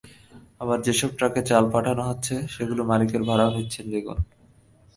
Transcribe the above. আবার যেসব ট্রাকে চাল পাঠানো হচ্ছে, সেগুলোর মালিকেরা ভাড়াও নিচ্ছেন দ্বিগুণ।